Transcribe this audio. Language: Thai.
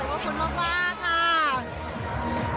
ขอบคุณมากค่ะ